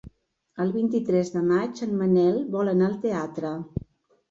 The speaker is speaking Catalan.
El vint-i-tres de maig en Manel vol anar al teatre.